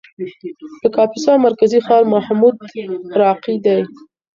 د کاپیسا مرکزي ښار محمودراقي دی.